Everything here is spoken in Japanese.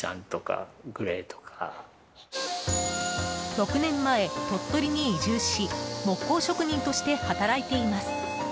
６年前、鳥取に移住し木工職人として働いています。